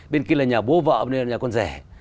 bên kia là nhà bố vợ bên kia là nhà con rẻ